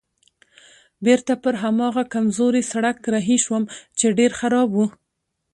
بېرته پر هماغه کمزوري سړک رهي شوم چې ډېر خراب و.